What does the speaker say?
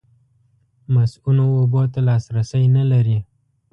مصؤنو اوبو ته لاسرسی نه لري.